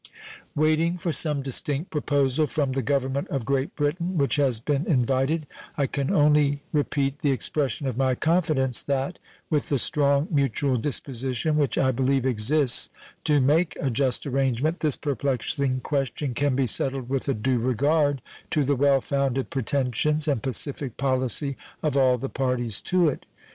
Waiting for some distinct proposal from the Government of Great Britain, which has been invited, I can only repeat the expression of my confidence that, with the strong mutual disposition which I believe exists to make a just arrangement, this perplexing question can be settled with a due regard to the well founded pretensions and pacific policy of all the parties to it.